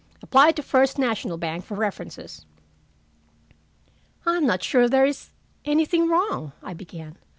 Apply to First National Bank for references." "I'm not sure there is anything wrong," I began.